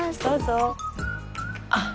どうぞ。